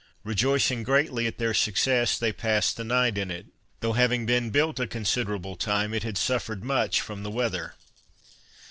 Rejoicing greatly at their success, they passed the night in it; though having been built a considerable time, it had suffered much from the weather.